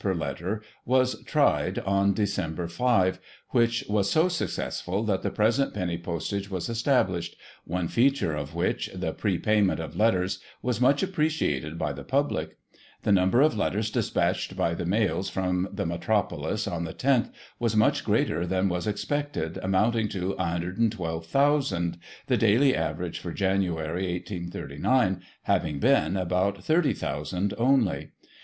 per letter was tried on Dec. 5, which was so successful that the present penny postage was established, one feature of which, the prepayment of letters, was much appreciated by the public The number of letters despatched by the Mails from the Metropolis, on the loth, was much greater than was expected, amounting to 112,000, the daily average for January, 1839, having been about 30,000 only.